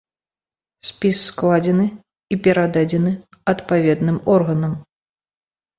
Спіс складзены і перададзены адпаведным органам.